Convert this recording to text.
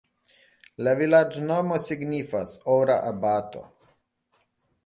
La vilaĝnomo signifas: ora-abato.